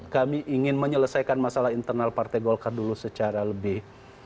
kami ingin menyelesaikan masalah internal partai golkar dulu secara lebih